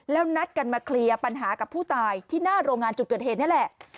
แล้วนัดกันมาเคลียร์ปัญหากับผู้ตายที่หน้าโรงงานจุดเกิดเหตุนี่แหละ